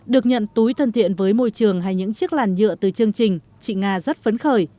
được nhận túi thân thiện với môi trường hay những chiếc làn nhựa từ chương trình chị nga rất phấn khởi